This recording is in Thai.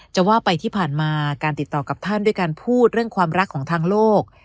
จะว่าไปที่ผ่านมาการติดต่อกับท่านด้วยการพูดเรื่องความรักของทางโลก